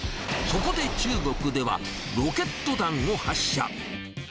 そこで中国では、ロケット弾を発射。